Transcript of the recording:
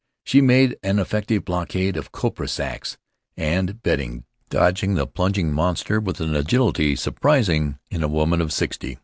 She made an effective barricade of copra sacks and bedding, dodging the plunging monster with an agility surprising in a woman of sixty.